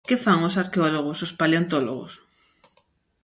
Que fan os arqueólogos, os paleontólogos?